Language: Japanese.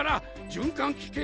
循環器系？